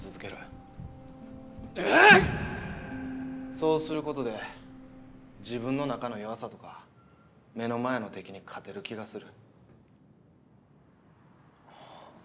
そうすることで自分の中の弱さとか目の前の敵に勝てる気がする。